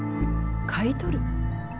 買い取る？